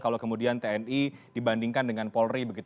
kalau kemudian tni dibandingkan dengan polri